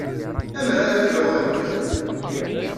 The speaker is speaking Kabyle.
Amer ara fruɣ iɣeblan-iw?